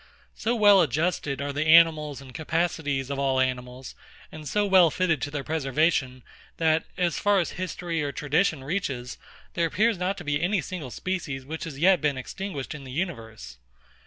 So well adjusted are the organs and capacities of all animals, and so well fitted to their preservation, that, as far as history or tradition reaches, there appears not to be any single species which has yet been extinguished in the universe.